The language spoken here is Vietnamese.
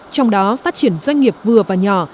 trong đó phát triển doanh nghiệp vừa và nhỏ